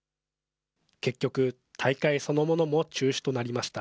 結局、大会そのものも中止となりました。